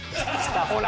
ほら。